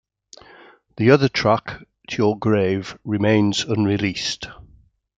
The other track, "To Your Grave", remains unreleased.